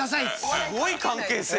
すごい関係性。